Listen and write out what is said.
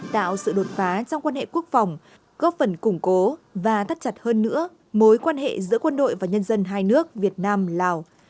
tạo sự đột phá trong quan hệ quốc phòng góp phần củng cố và thắt chặt hơn nữa mối quan hệ giữa quân đội và nhân dân hai nước việt nam lào